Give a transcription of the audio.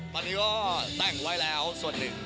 ตอนนี้ก็แต่งไว้แล้วส่วนหนึ่ง